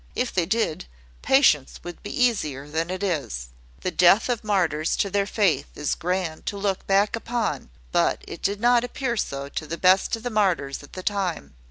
If they did, patience would be easier than it is. The death of martyrs to their faith is grand to look back upon; but it did not appear so to the best of the martyrs at the time.